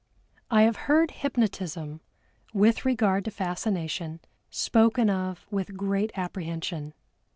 I have heard hypnotism, with regard to fascination, spoken of with great apprehension.